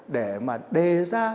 để mà đề ra